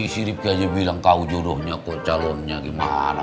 si ripki aja bilang kau jodohnya kok calonnya gimana